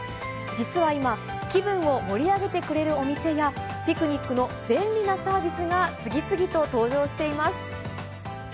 実は今、気分を盛り上げてくれるお店や、ピクニックの便利なサービスが次々と登場しています。